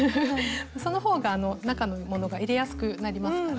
その方が中のものが入れやすくなりますから。